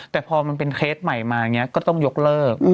แต่พอมันเป็นเคสใหม่มาอย่างนี้ก็ต้องยกเลิก